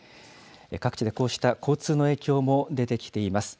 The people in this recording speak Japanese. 各地でこうした交通の影響も出てきています。